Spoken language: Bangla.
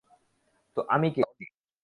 তো আমি কে?